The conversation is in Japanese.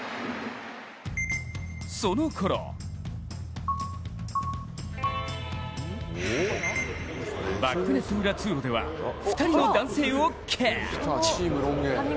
そのころバックネット裏通路では２人の男性をキャッチ。